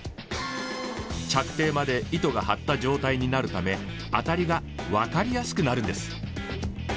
着底まで糸が張った状態になるためアタリが分かりやすくなるんです。